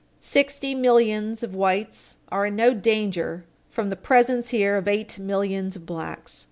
Sixty millions of whites are in no danger from the presence here of eight millions of blacks.